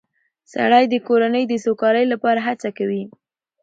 سړی د کورنۍ د سوکالۍ لپاره هڅه کوي